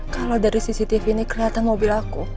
kalau dari cctv ini kelihatan mobil aku